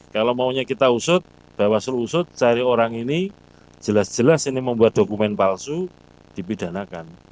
kalau maunya kita usut bawaslu usut cari orang ini jelas jelas ini membuat dokumen palsu dipidanakan